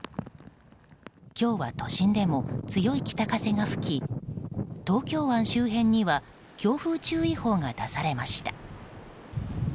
今日は都心でも強い北風が吹き東京湾周辺には強風注意報が出されました。